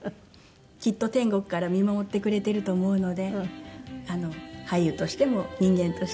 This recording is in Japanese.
きっと天国から見守ってくれていると思うので俳優としても人間としても。